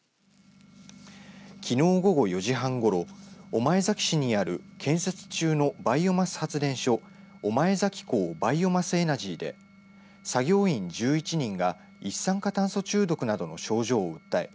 きのう午後４時半ごろ御前崎市にある建設中のバイオマス発電所御前崎港バイオマスエナジーで作業員１１人が一酸化炭素中毒などの症状を訴え